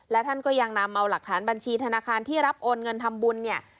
และท่านก็ยังนำเอาหลักฐานบัญชีธนาคารที่รับโอนเงินทำบุญเนี่ย